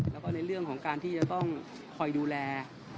แล้วก็ในเรื่องของการที่จะต้องคอยดูแล